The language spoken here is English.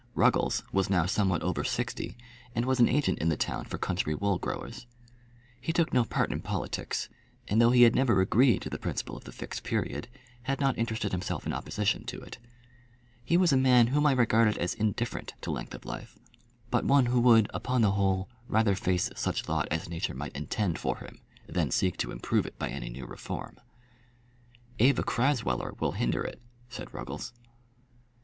Ruggles was now somewhat over sixty, and was an agent in the town for country wool growers. He took no part in politics; and though he had never agreed to the principle of the Fixed Period, had not interested himself in opposition to it. He was a man whom I regarded as indifferent to length of life, but one who would, upon the whole, rather face such lot as Nature might intend for him, than seek to improve it by any new reform. "Eva Crasweller will hinder it," said Ruggles.